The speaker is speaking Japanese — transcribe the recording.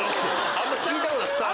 あんま聞いたことない！